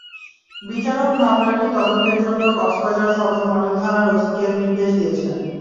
বিচারক মামলাটি তদন্তের জন্য কক্সবাজার সদর মডেল থানার ওসিকে নির্দেশ দিয়েছেন।